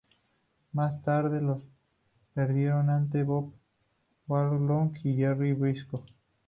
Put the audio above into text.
Más tarde los perdieron ante Bob Backlund y Jerry Brisco.